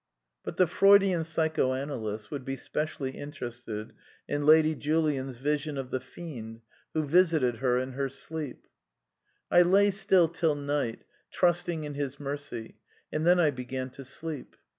(Ibid. pp. 33, 39.) But the Freudian psychoanalyst would be specially in terested in Lady Julian's Vision of the Fiend, who visited her in her sleep. "I lay still till night, trusting in His mercy, and then I began to sleep.